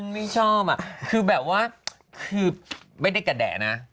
ไม่ชอบอ่ะคือแบบว่าคือไม่ได้กระแดะนะ